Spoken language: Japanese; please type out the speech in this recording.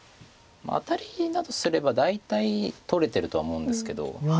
アタリだとすれば大体取れてるとは思うんですけど。